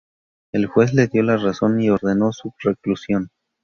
El juez le dio la razón y ordenó su reclusión.